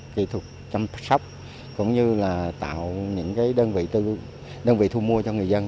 kỹ thuật chăm sóc cũng như là tạo những đơn vị thu mua cho người dân